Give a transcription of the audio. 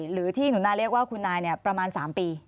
หรือที่หนูนาเรียกว่าคุณนายประมาณ๓ปี